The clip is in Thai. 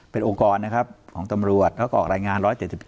เป็นองค์กรนะครับของตำรวจแล้วก็ออกรายงาน๑๗๗